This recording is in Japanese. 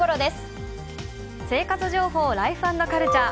生活情報「ライフ＆カルチャー」。